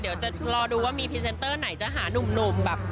เดี๋ยวจะรอดูพี่พีเซนเตอร์ไหนจะมาหานุ่ม